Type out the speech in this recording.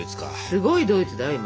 すごいドイツだよ